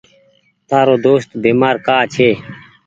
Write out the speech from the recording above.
تآرو دوست بيمآر ڪآ ڇي۔